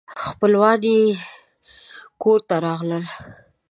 خپلوان یې کور ته راغلل.